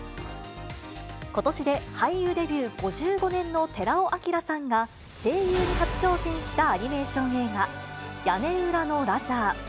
ことしで俳優デビュー５５年の寺尾聰さんが、声優に初挑戦したアニメーション映画、屋根裏のラジャー。